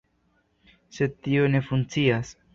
Sed tio ne funkcias.